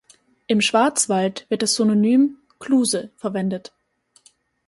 Im Schwarzwald wird das Synonym "Kluse" verwendet.